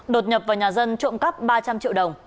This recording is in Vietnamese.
đột nhập vào nhà dân trộm cắp ba trăm linh triệu đồng